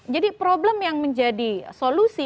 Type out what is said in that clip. jadi problem yang menjadi solusi